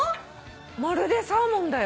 まるでサーモンだよ。